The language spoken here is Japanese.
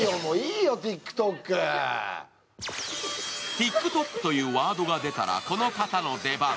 ＴｉｋＴｏｋというワードが出たら、この方の出番。